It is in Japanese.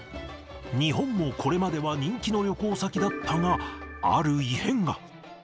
日本もこれまでは人気の旅行先だったが、ある異変が。